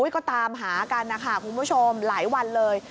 ก็ตามหากันนะคะคุณผู้ชมหลายวันเลย